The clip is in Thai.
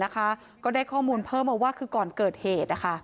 จะได้ข้อมูลเพิ่มว่าก็ได้ข้อมูลเพิ่มว่าคือก่อนเกิดเหตุ